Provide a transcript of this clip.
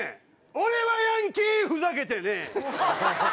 俺はヤンキーふざけてねえ！